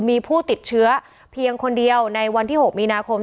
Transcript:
มีผู้ติดเชื้อเพียงคนเดียวในวันที่๖มีนาคม